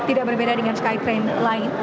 tidak berbeda dengan skytrain